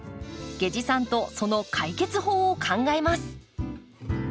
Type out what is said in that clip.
下司さんとその解決法を考えます。